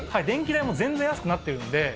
電気代も全然安くなってるんで。